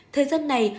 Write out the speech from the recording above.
thời gian này